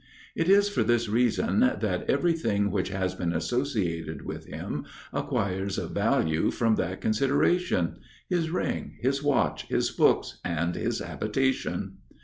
It is for this reason that "every thing which has been associated with him acquires a value from that consideration; his ring, his watch, his books, and his habitation.